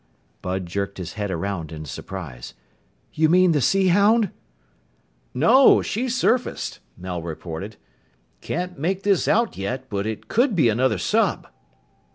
Bud jerked his head around in surprise. "You mean the Sea Hound?" "No, she surfaced," Mel reported. "Can't make this out yet, but it could be another sub."